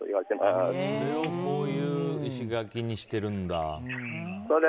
それをこういう石垣にしてるんだ。